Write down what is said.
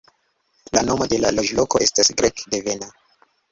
La nomo de la loĝloko estas grek-devena.